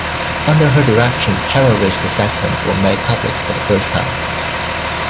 Under her direction, terror risk assessments were made public for the first time.